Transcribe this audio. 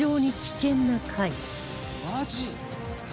「マジ？」